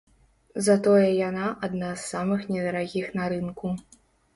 Затое яна адна з самых недарагіх на рынку.